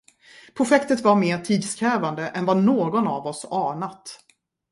Projektet var mer tidskrävande än vad någon av oss anat.